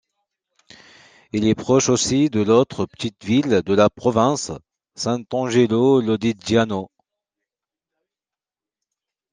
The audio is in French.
Il est proche aussi de l'autre petite ville de la province, Sant'Angelo Lodigiano.